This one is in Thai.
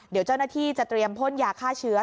เดี๋ยวเจ้าหน้าที่จะเตรียมพ่นยาฆ่าเชื้อ